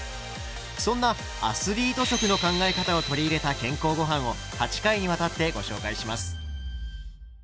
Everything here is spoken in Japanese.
そんな「アスリート食」の考え方を取り入れた健康ごはんを８回にわたってご紹介します。